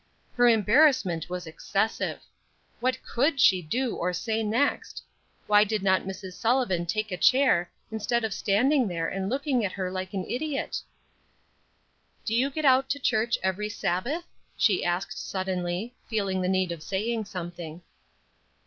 Her embarrassment was excessive! What could she do or say next? Why did not Mrs. Sullivan take a chair, instead of standing there and looking at her like an idiot? "Do you get out to church every Sabbath?" she asked, suddenly, feeling the need of saying something.